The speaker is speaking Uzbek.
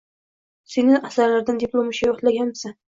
Lenin asarlaridan diplom ishi yoklaganman.